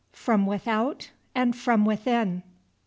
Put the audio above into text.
FROM WITHOUT AND FROM WITHIN.